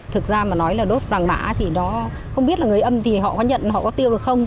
thực ra mà nói là đốt vàng mã thì nó không biết là người âm thì họ có nhận họ có tiêu được không